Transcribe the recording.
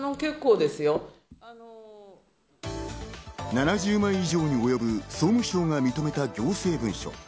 ７０枚以上に及ぶ、総務省が認めた行政文書。